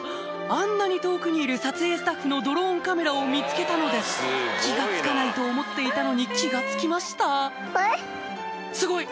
あんなに遠くにいる撮影スタッフのドローンカメラを見つけたのです気が付かないと思っていたのに気が付きましたすごい！